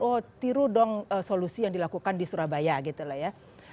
oh tiru dong solusi yang dilakukan di surabaya gitu loh ya